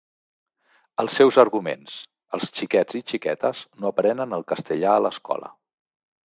Els seus arguments: els xiquets i xiquetes no aprenen el castellà a l’escola.